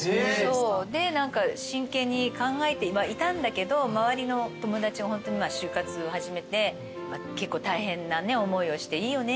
で真剣に考えてはいたんだけど周りの友達は就活を始めて結構大変な思いをしていいよね